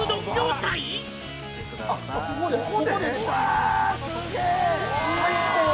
・わあすげえ！